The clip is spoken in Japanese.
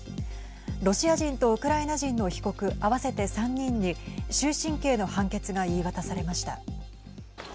ロシア人とウクライナ人の被告合わせて３人に終身刑の判決が言い渡されました。